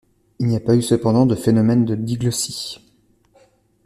Il n'y a pas eu cependant de phénomène de diglossie.